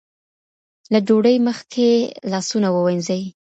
له ډوډۍ مخکې لاسونه ووینځئ.